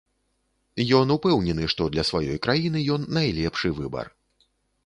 Ён упэўнены, што для сваёй краіны ён найлепшы выбар.